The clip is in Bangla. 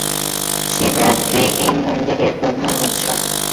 শিবরাত্রি এই মন্দিরের প্রধান উৎসব।